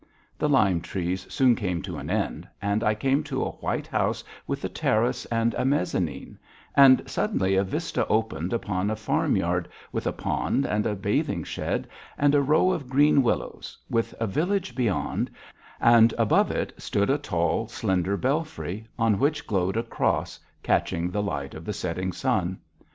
The lime trees soon came to an end and I came to a white house with a terrace and a mezzanine, and suddenly a vista opened upon a farmyard with a pond and a bathing shed, and a row of green willows, with a village beyond, and above it stood a tall, slender belfry, on which glowed a cross catching the light of the setting sun.